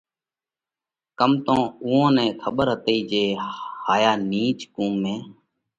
ڪم تو اُوئون نئہ کٻر هتئِي جي هائِيا نِيچ قُوم ۾